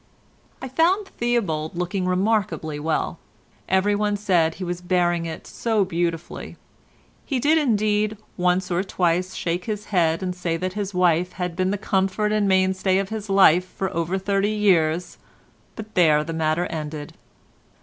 I found Theobald looking remarkably well. Every one said he was bearing it so beautifully. He did indeed once or twice shake his head and say that his wife had been the comfort and mainstay of his life for over thirty years, but there the matter ended.